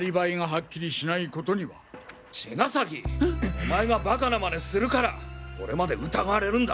お前がバカな真似するから俺まで疑われるんだ！